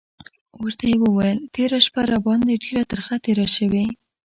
ورته یې وویل: تېره شپه راباندې ډېره ترخه تېره شوې.